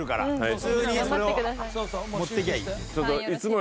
普通にそれを持っていきゃいい。